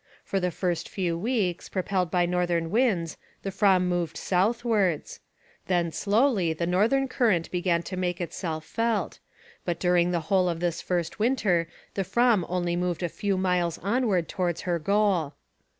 For the first few weeks, propelled by northern winds, the Fram moved southwards. Then slowly the northern current began to make itself felt, but during the whole of this first winter the Fram only moved a few miles onward towards her goal.